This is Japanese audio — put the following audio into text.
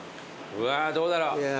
わどうだろう。